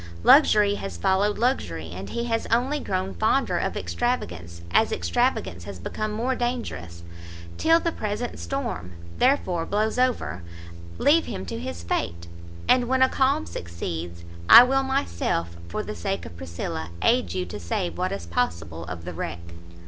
Luxury has followed luxury, and he has only grown fonder of extravagance, as extravagance has become more dangerous. Till the present storm, therefore, blows over, leave him to his fate, and when a calm succeeds, I will myself, for the sake of Priscilla, aid you to save what is possible of the wreck."